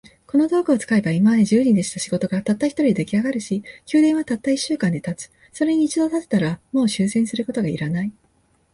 この道具を使えば、今まで十人でした仕事が、たった一人で出来上るし、宮殿はたった一週間で建つ。それに一度建てたら、もう修繕することが要らない。